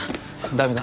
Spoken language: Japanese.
駄目だ。